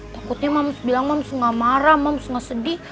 takutnya moms bilang moms enggak marah moms enggak sedih